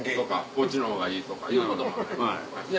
「こっちの方がいい」とか言うこともダメ。